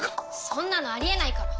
そんなのあり得ないから。